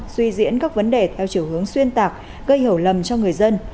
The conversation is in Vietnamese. suy diễn các vấn đề theo chiều hướng xuyên tạc gây hiểu lầm cho người dân